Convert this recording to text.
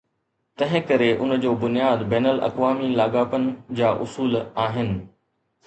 تنهنڪري ان جو بنياد بين الاقوامي لاڳاپن جا اصول آهن.